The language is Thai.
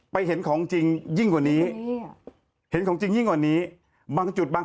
ไปเห็นของจริงยิ่งกว่านี้บางจุดบางพื้นที่มีที่แค่ทั้ง๒